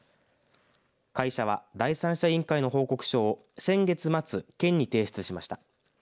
会社は第三者委員会の報告書を先月末、県に提出しました。